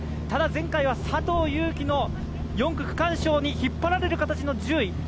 ただ、前回は佐藤悠基の４区区間賞に引っ張られる形の１０位。